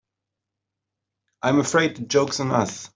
I'm afraid the joke's on us.